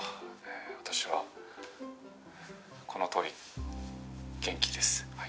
「私はこのとおり元気ですはい」